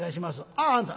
「あああんた。